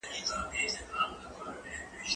زه اوږده وخت د کتابتون کتابونه لوستل کوم؟!